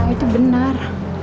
oh itu benar